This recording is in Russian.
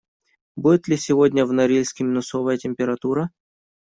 Будет ли сегодня в Норильске минусовая температура?